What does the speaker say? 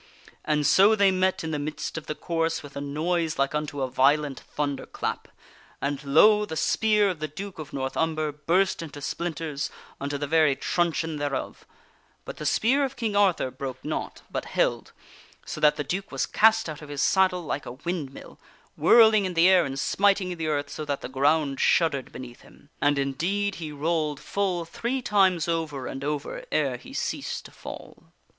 And so they met in the midst of the course with a noise like unto a violent thunder clap. And lo ! the spear of KING ARTHUR IS VICTORIOUS 9? the Duke of North Umber burst into splinters unto the very truncheon thereof; but the spear of King Arthur broke not, but held, so that the Duke was cast out of his saddle like a windmill whirling in the air and smiting the earth so that the ground shuddered beneath him. And indeed he rolled full three times over and over ere he ceased to fall.